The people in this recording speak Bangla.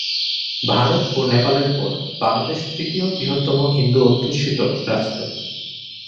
ভারত ও নেপালের পর বাংলাদেশ তৃতীয় বৃহত্তম হিন্দু-অধ্যুষিত রাষ্ট্র।